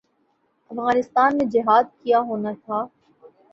افغانستان میں جہاد کیا ہونا تھا۔